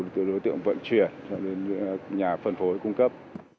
từ đối tượng vận chuyển cho đến nhà phân phối cung cấp